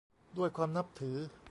ด้วยความนับถือ